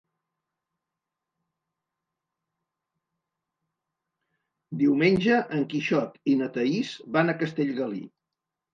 Diumenge en Quixot i na Thaís van a Castellgalí.